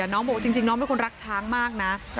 แต่น้องเขาบอกว่าจริงน้องไม่ควรรักช้างมากนะ